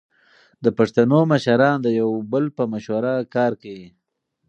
د پښتنو مشران د یو بل په مشوره کار کوي.